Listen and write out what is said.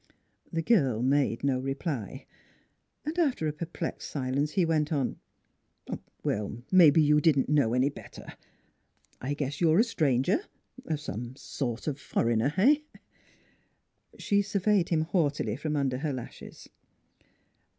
The girl made no reply. And after a perplexed silence he went on. " Maybe you didn't know any better. I guess you're a stranger some sort of foreigner eh? " She surveyed him haughtily from under her lashes.